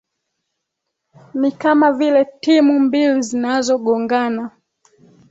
ni kama vile timu mbili zinazogongana